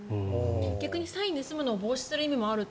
逆にサインを盗むのを防止する意味もあるって。